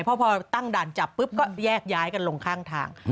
เพราะพอตั้งด่านจับปุ๊บก็แยกย้ายกันลงข้างทาง